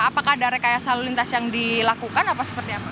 apakah ada rekayasa lalu lintas yang dilakukan atau seperti apa